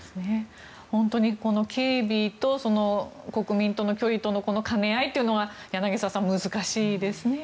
本当に警備と国民との距離との兼ね合いというのは柳澤さん、難しいですね。